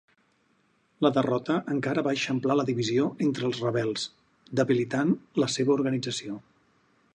La derrota encara va eixamplar la divisió entre els rebels, debilitant la seva organització.